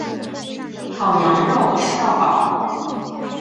烤羊肉吃到饱